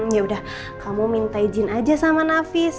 yaudah kamu minta izin aja sama nafis